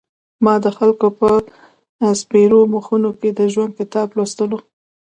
ما د خلکو په سپېرو مخونو کې د ژوند کتاب لوستلو.